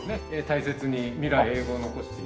大切に未来永劫残して。